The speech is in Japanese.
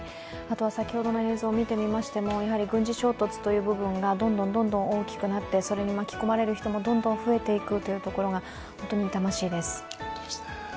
先ほどの映像を見てみても、軍事衝突がどんどん大きくなって巻き込まれる人がどんどん増えていくというところが本当に痛ましいです。